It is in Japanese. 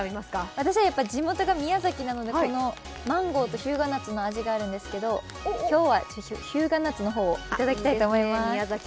私は地元が宮崎なので、マンゴーと日向夏の味があるんですけど、今日は日向夏の方をいただきたいと思います。